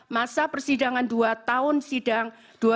masa persidangan dua tahun sidang dua ribu dua puluh tiga dua ribu dua puluh empat